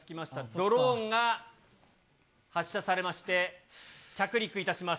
ドローンが発射されまして、着陸いたします。